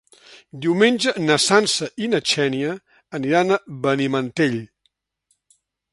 Diumenge na Sança i na Xènia aniran a Benimantell.